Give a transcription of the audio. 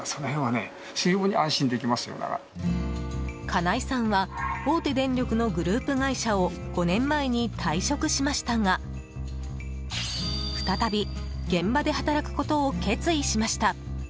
金井さんは大手電力のグループ会社を５年前に退職しましたが、再び現場で働くことを決意しました。